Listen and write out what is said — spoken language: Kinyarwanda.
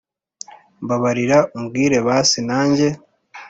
mbabarira umbwire basi nanjye